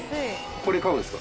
これ買うんですか？